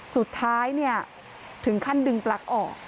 สุดท้ายเนี่ยถึงขั้นดึงปลั๊กออก